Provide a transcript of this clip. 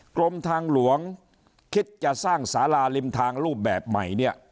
กรมทางหลวงคิดจะสร้างสาราริมทางรูปแบบใหม่เนี่ย